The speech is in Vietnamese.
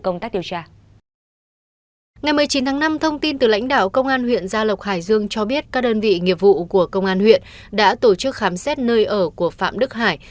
ngày một mươi chín tháng năm thông tin từ lãnh đạo công an huyện gia lộc hải dương cho biết các đơn vị nghiệp vụ của công an huyện đã tổ chức khám xét nơi ở của phạm đức hải